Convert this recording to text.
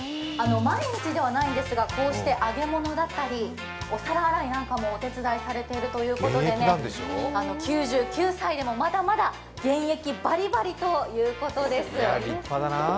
毎日ではないんですが、こうして揚げ物だったりお皿洗いなどもお手伝いされているということで９９歳でも、まだまだ現役バリバリということです。